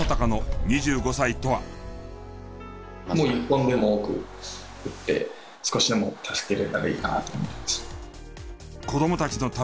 もう１本でも多く打って少しでも助けられたらいいなって思います。